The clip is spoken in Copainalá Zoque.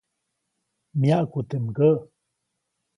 Myaʼku teʼ mgäʼ.